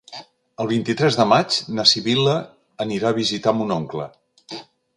El vint-i-tres de maig na Sibil·la anirà a visitar mon oncle.